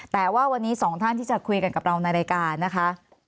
แต่ว่าวันนี้สองท่านที่จะคุยกันกับเราในรายการนะคะ